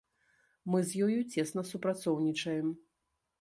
Мы з ёю цесна супрацоўнічаем.